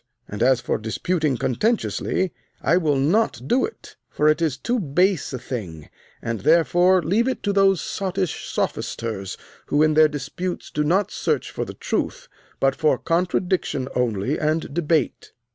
And, as for disputing contentiously, I will not do it, for it is too base a thing, and therefore leave it to those sottish sophisters who in their disputes do not search for the truth, but for contradiction only and debate.